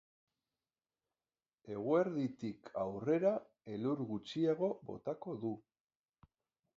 Eguerditik aurrera elur gutxiago botako du.